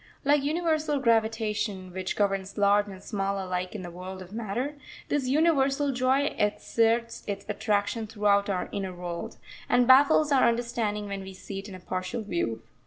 Like universal gravitation, which governs large and small alike in the world of matter, this universal joy exerts its attraction throughout our inner world, and baffles our understanding when we see it in a partial view.